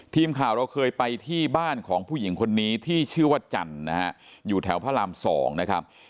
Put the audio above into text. ทีมข่าวเราเคยไปที่บ้านของผู้หญิงคนนี้ที่ชื่อว่าจันทร์นะฮะอยู่แถวพระราม๒นะครับ